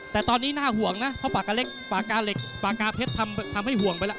แต่ตอนนี้น่าห่วงนะเพราะปากกาเล็กปากกาเหล็กปากกาเพชรทำให้ห่วงไปแล้ว